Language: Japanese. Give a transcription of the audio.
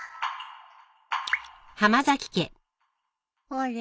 あれ？